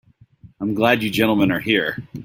I'm glad you gentlemen are here.